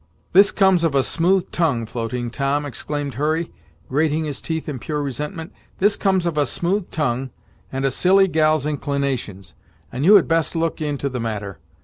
"This comes of a smooth tongue, Floating Tom," exclaimed Hurry, grating his teeth in pure resentment "This comes of a smooth tongue, and a silly gal's inclinations, and you had best look into the matter!